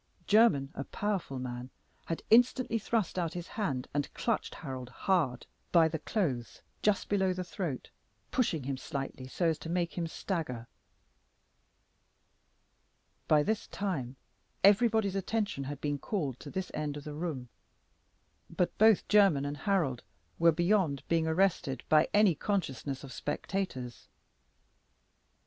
Jermyn, a powerful man, had instantly thrust out his hand and clutched Harold hard by the clothes just below the throat, pushing him slightly so as to make him stagger. By this time everybody's attention had been called to this end of the room, but both Jermyn and Harold were beyond being arrested by any consciousness of spectators.